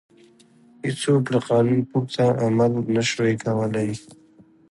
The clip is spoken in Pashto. هېڅ کس له قانون پورته عمل نه شوای کولای.